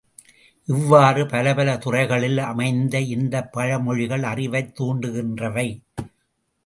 இவ்வாறு பல பல துறைகளில் அமைந்த இந்தப் பழமொழிகள் அறிவைத் தூண்டுகின்றவை.